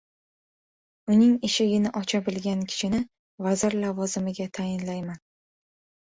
Uning eshigini ocha bilgan kishini vazir lavozimiga tayinlayman.